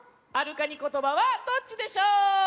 「あるカニことば」はどっちでしょう？